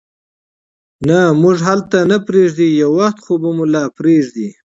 نه، موږ هلته نه پرېږدي، یو وخت خو به مو لا پرېږدي.